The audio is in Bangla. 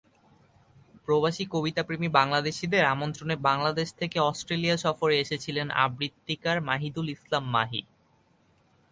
প্রবাসী কবিতাপ্রেমী বাংলাদেশিদের আমন্ত্রণে বাংলাদেশ থেকে অস্ট্রেলিয়া সফরে এসেছিলেন আবৃত্তিকার মাহিদুল ইসলাম মাহি।